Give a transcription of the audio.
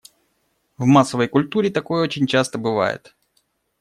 В массовой культуре такое очень часто бывает.